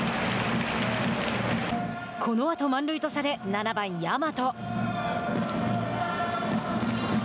このあと満塁とされ、７番、大和。